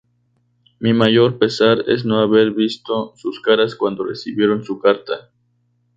Mi mayor pesar es no haber visto sus caras cuando recibieron su carta".